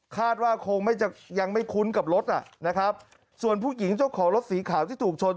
คาดว่าคงไม่จะยังไม่คุ้นกับรถอ่ะนะครับส่วนผู้หญิงเจ้าของรถสีขาวที่ถูกชน